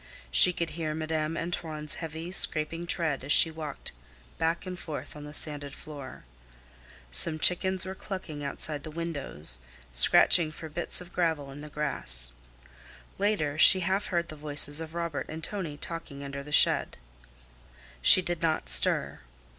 She could hear Madame Antoine's heavy, scraping tread as she walked back and forth on the sanded floor. Some chickens were clucking outside the windows, scratching for bits of gravel in the grass. Later she half heard the voices of Robert and Tonie talking under the shed. She did not stir.